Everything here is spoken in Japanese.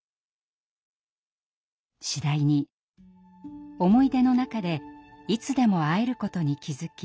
次第に思い出の中でいつでも会えることに気付き